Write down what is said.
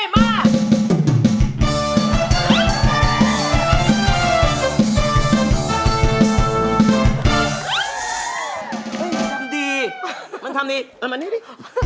เฮ้ยมันทำดีมันทำดีมันมานี่ดิ